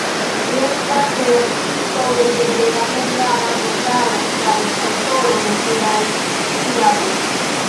Li estas la redaktisto de hebrea-hungara vortaro kaj aŭtoro de pluraj studaĵoj.